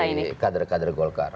baik di kader kader golkar